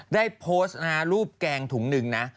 ได้โพสต์นะฮะรูปแกงถุงหนึ่งนะ